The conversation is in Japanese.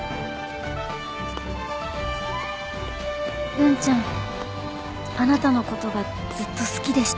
「文ちゃんあなたのことがずっと好きでした」